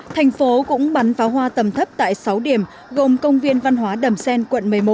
thành phố cũng bắn pháo hoa tầm thấp tại sáu điểm gồm công viên văn hóa đầm xen quận một mươi một